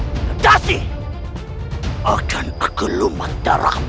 ngerti agen agel umat darahmu